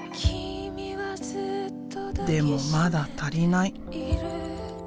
でもまだ足りない。